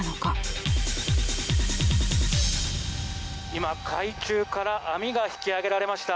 今、海中から網が引き揚げられました。